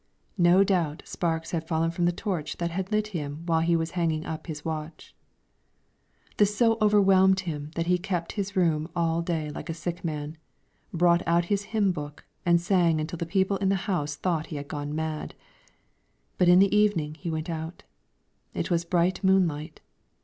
No doubt sparks had fallen from the torch that had lit him while he was hanging up his watch. This so overwhelmed him that he kept his room all day like a sick man, brought out his hymn book, and sang until the people in the house thought he had gone mad. But in the evening he went out; it was bright moonlight.